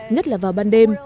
nhất là vào ban đêm